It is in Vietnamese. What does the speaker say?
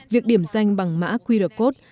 việc điểm danh bằng mã qr code